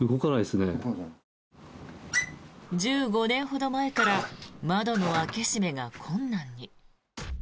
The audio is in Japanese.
１５年ほど前から窓の開け閉めが困難に。